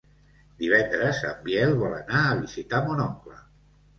Divendres en Biel vol anar a visitar mon oncle.